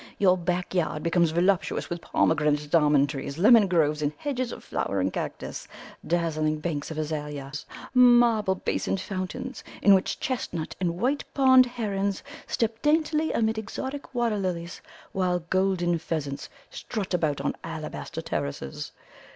Your backyard becomes voluptuous with pomegranate and almond trees, lemon groves, and hedges of flowering cactus, dazzling banks of azaleas, marble basined fountains, in which chestnut and white pond herons step daintily amid exotic water lilies, while golden pheasants strut about on alabaster terraces.